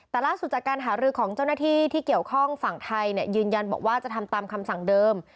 แต่ล่าสุดจากการหารือของเจ้าหน้าที่ที่เกี่ยวข้องฝั่งไทยยืนยันบอกว่าจะทำตามคำสั่งเดิม